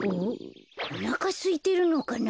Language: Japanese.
おなかすいてるのかな？